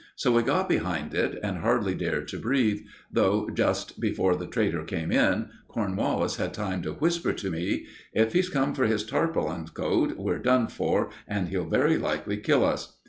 So we got behind it and hardly dared to breathe, though, just before the traitor came in, Cornwallis had time to whisper to me: "If he's come for his tarpaulin coat, we're done for, and he'll very likely kill us!"